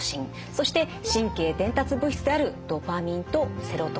そして神経伝達物質であるドパミンとセロトニンと。